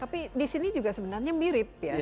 tapi di sini juga sebenarnya mirip ya